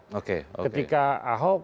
tidak sebanding lurus dengan ahok